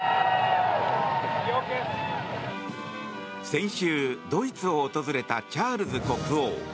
先週、ドイツを訪れたチャールズ国王。